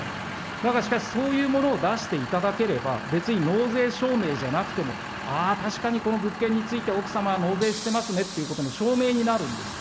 だがしかし、そういうものを出していただければ、別に納税証明じゃなくても、ああ、確かにこの物件について、奥様、納税してますねということの証明になるんです。